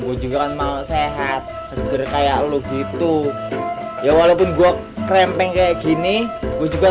gue juga kan mau sehat seger kayak lo gitu ya walaupun gua krempeng kayak gini gue juga